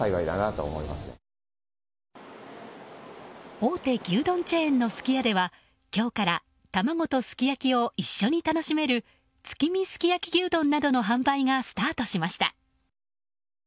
大手牛丼チェーンのすき家では今日から卵とすき焼きを一緒に楽しめる月見すきやき牛丼などの販売がスタートしました。